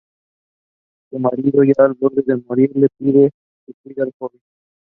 Su marido, ya al borde de morir, le pide que cuide de la joven.